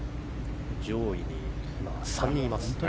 上位に３人います。